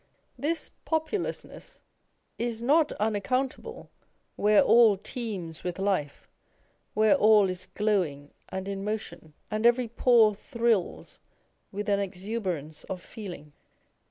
This populousness is not unaccountable where all teems with life, where all is glowing and in motion, and every pore thrills with an exuberance of feeling.